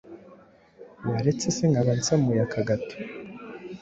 Waretse se nkaba nsamuye aka gato,